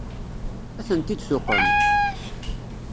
Ad tent-id-tuqem?